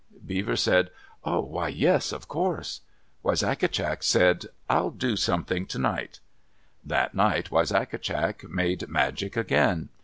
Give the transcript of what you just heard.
Beaver said, "Why, yes, of course." Wisagatcak said, "I'll do something tonight." That night Wisagatcak made magic again.